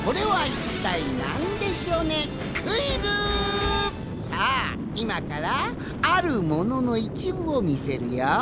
それじゃあさあいまから「あるもの」のいちぶをみせるよ。